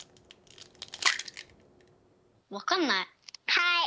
はい。